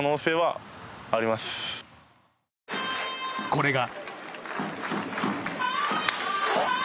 これが。